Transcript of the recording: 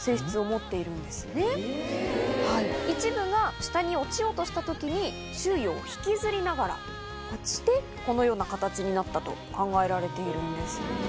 一部が下に落ちようとした時に周囲を引きずりながら落ちてこのような形になったと考えられているんです。